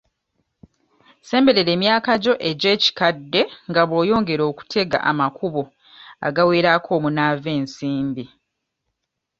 Ssemberera emyaka gyo egy'ekikadde nga bw'oyongera okutega amakubo agawerako omunaava ensimbi.